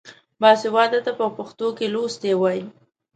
باسواده ته په پښتو کې لوستی وايي.